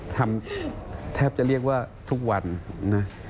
ทำแทบจะเรียกว่าทุกวันนะ